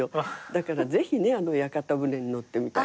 だからぜひねあの屋形船に乗ってみたいなと思って。